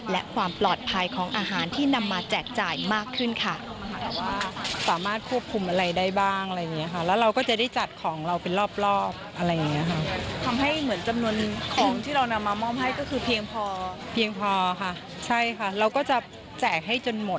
และความปลอดภัยของอาหารที่นำมาแจกจ่ายมากขึ้นค่ะ